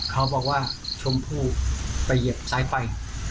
เขาบอกว่าชมพู่ไปเหยียบสายไฟ